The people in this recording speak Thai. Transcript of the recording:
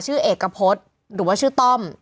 ชื่อเอกกะพฤหรือว่าชื่อต้อม